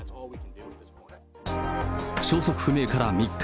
消息不明から３日。